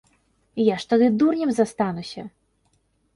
Я ж тады дурнем застануся.